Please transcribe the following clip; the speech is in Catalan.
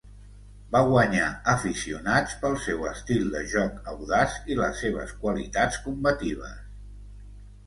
Va guanyar aficionats pel seu estil de joc audaç i les seves qualitats combatives.